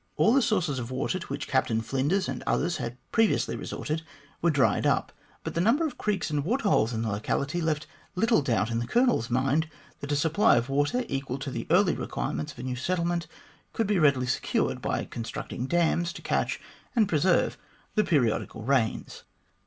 All the sources E 66 THE GLADSTONE COLONY of water to which Captain Flinders and others had previously resorted were dried up, but the number of creeks and water holes in the locality left little doubt in the Colonel's mind that a supply of water, equal to the early requirements of a new settlement, could be readily secured by constructing dams to catch and preserve the periodical rains.